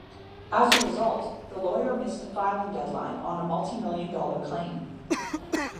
As a result, the lawyer missed a filing deadline on a multimillion-dollar claim.